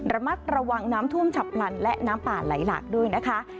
ระมัดระวังน้ำท่วมฉับพลันและน้ำป่าไหลหลากด้วยนะคะ